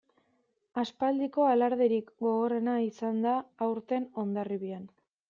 Aspaldiko alarderik gogorrena izan da aurten Hondarribian.